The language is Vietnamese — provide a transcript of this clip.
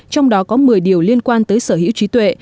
trong đó có một mươi điều liên quan tới sở hữu trí tuệ